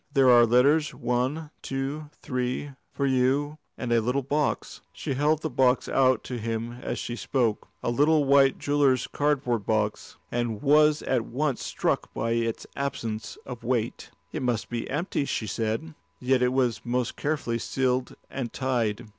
"There are letters, one, two, three, for you, and a little box." She held the box out to him as she spoke, a little white jeweller's cardboard box, and was at once struck by its absence of weight. "It must be empty," she said. Yet it was most carefully sealed and tied.